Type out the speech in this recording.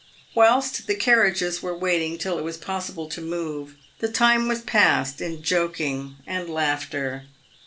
Whilst the carriages were waiting till itrwas possible to move, the time was passed in joking and laughter.